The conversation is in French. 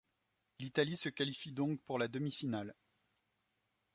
L'Italie se qualifie donc pour la demi-finale.